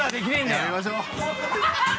やめましょう。